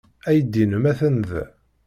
Aydi-nnem atan da.